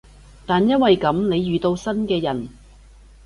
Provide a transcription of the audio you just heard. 但因為噉，你遇到新嘅人